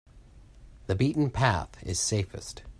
The beaten path is safest.